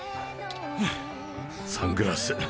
はぁサングラス。